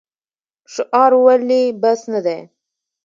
شعار ولې بس نه دی؟